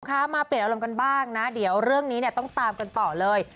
คะมาเปลี่ยนอารมณ์กันบ้างนะเดี๋ยวเรื่องนี้เนี่ยต้องตามกันต่อเลย